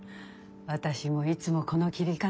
私もいつもこの切り方。